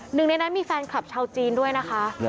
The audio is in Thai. หนึ่งในนั้นมีแฟนคลับชาวจีนด้วยนะคะ